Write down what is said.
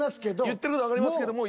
言ってる事わかりますけども。